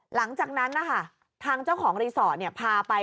หลังจากนั้นนะคะทางเจ้าของรีสอร์ทพาไป